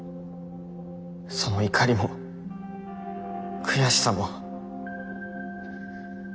その怒りも悔しさも。